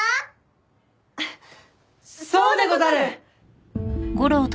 そうでござる！